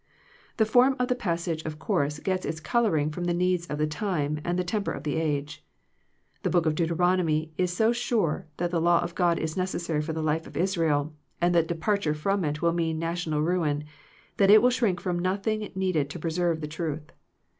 The form of the passage of course gets its coloring from the needs of the time and the tem per of the age. The Book of Deuteron omy is so sure that the law of God is necessary for the life of Israel, and that departure from it will mean national ruin, that it will shrink from nothing needed to preserve the truth.